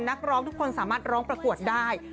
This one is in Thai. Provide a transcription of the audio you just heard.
นักร้องทุกคนสามารถร้องประกวดได้